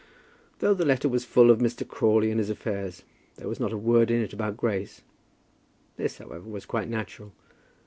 Though the letter was full of Mr. Crawley and his affairs there was not a word in it about Grace. This, however, was quite natural.